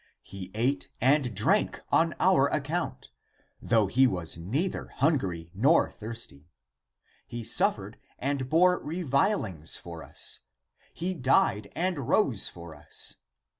He ate and drank on our account, though he was neither hungry nor thirsty; he suffered and bore revilings for us, he died and rose for us.